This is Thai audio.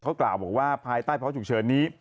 เขากล่าวบอกว่าภายใต้เพาะฉุกเฉินนี้